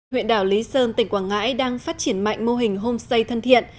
huyện đảo lý sơn tỉnh quảng ngãi đang phát triển mạnh mô hình homestay thân thiện